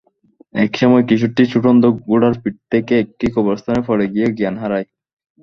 একসময় কিশোরটি ছুটন্ত ঘোড়ার পিঠ থেকে একটি কবরস্থানে পড়ে গিয়ে জ্ঞান হারায়।